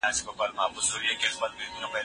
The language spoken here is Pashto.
شاه عباس له انګریزانو سره په ګډه پرتګالیان وشړل.